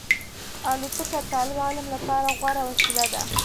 الوتکه د طالب علم لپاره غوره وسیله ده.